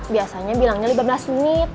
biasanya bilangnya lima belas menit